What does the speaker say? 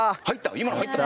今の入った？